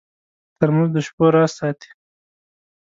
ترموز د شپو راز ساتي.